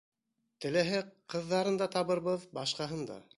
Теләһәк, ҡыҙҙарын да табырбыҙ, башҡаһын да.